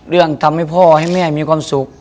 เรื่องทำให้พ่อให้แม่มีความสุข